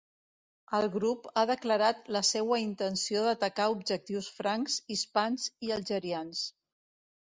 El grup ha declarat la seua intenció d'atacar objectius francs, hispans i algerians.